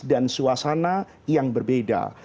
dan suasana yang berbeda